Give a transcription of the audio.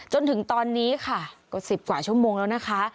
จนถึงตอนนี้ค่ะก็๑๐กว่าชั่วโมงแล้วนะคะ